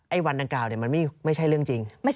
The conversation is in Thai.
อะไรคือไม่ใช่เรื่องจริง